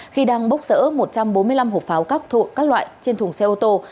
khi đang bốc rỡ một trăm bốn mươi năm hộp pháo các loại trên thùng xe ô tô